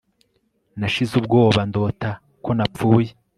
Nashize ubwoba ndota ko napfuye